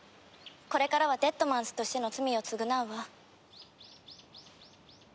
これからはデッドマンズとしての罪を償うわ。